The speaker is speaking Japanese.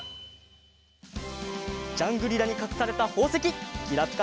ジャングリラにかくされたほうせききらぴか